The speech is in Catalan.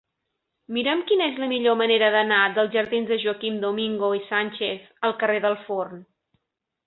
Mira'm quina és la millor manera d'anar dels jardins de Joaquim Domingo i Sánchez al carrer del Forn.